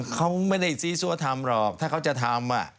เขาไม่ได้ซีซัวทำหรอกถ้าเขาจะทำ